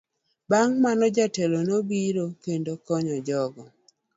Bang' mano, jotelo nobiro kendo konyo jogo.